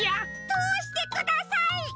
とおしてください！